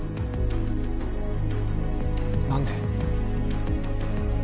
何で？